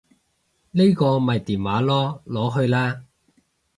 呢個咪電話囉，攞去啦